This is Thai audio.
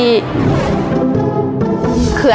บี้แผนที่